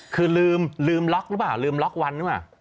คือลืมล็อคหรือเปล่าลืมล็อควันใช่ไหม